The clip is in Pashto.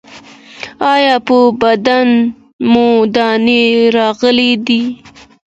ایا په بدن مو دانې راغلي دي؟